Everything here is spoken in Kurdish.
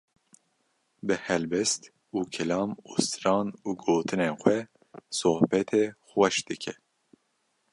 bi helbest û kilam û stran û gotinên xwe sohbetê xweş dike.